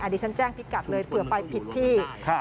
ดิฉันแจ้งพิกัดเลยเผื่อไปผิดที่